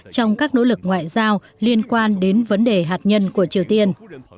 trong các nỗ lực ngoại giao liên quan đến vấn đề hạt nhân của triều tiên